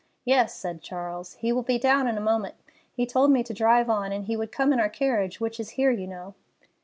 "Yes," said Charles; "he will be down in a moment. He told me to drive on, and he would come in our carriage, which is here, you know."